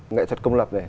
nghệ thuật công lập này